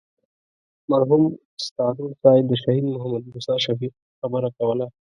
مرحوم ستانور صاحب د شهید محمد موسی شفیق خبره کوله.